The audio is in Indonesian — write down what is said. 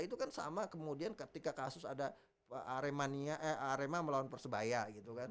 itu kan sama kemudian ketika kasus ada arema melawan persebaya gitu kan